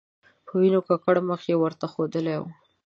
په وینو ککړ مخ یې ورته ښودلی و.